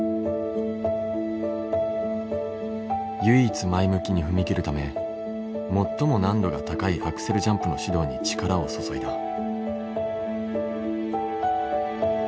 唯一前向きに踏み切るため最も難度が高いアクセルジャンプの指導に力を注いだ。